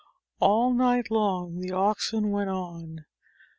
All night long the oxen went on.